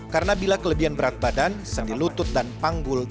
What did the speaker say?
karena bila kelebihan berat badan sendi lutut dan panggul